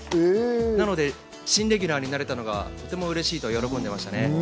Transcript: なので、新レギュラーになれたのがとっても嬉しいと喜んでいまし